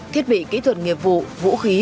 thiết bị kỹ thuật nghiệp vụ vũ khí